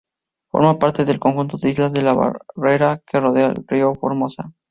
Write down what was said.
Forma parte del conjunto de islas de la barrera que rodea la ría Formosa.